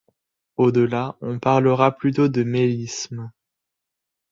Au-delà, on parlera plutôt de mélisme.